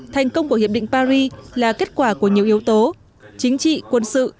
thành công của hiệp định paris là kết quả của nhiều yếu tố chính trị quân sự